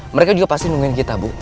mereka juga pasti nungguin kita bu